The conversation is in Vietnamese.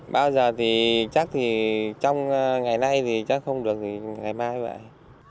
bao giờ thì chắc thì trong ngày nay thì chắc không được thì ngày mai như vậy